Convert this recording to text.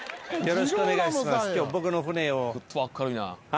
よろしくお願いします。